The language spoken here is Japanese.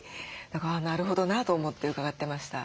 だからなるほどなと思って伺ってました。